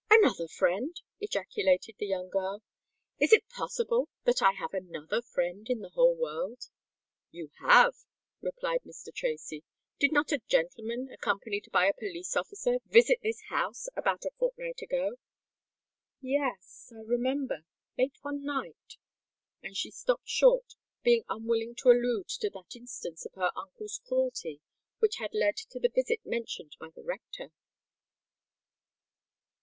"Another friend!" ejaculated the young girl. "Is it possible that I have another friend in the whole world?" "You have," replied Mr. Tracy. "Did not a gentleman, accompanied by a police officer, visit this house about a fortnight ago?" "Yes—I remember—late one night——" And she stopped short, being unwilling to allude to that instance of her uncle's cruelty which had led to the visit mentioned by the rector.